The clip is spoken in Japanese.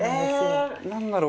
え何だろう？